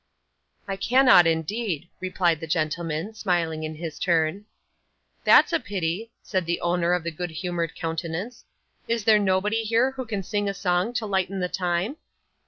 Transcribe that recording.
'I cannot indeed,' replied gentleman, smiling in his turn. 'That's a pity,' said the owner of the good humoured countenance. 'Is there nobody here who can sing a song to lighten the time?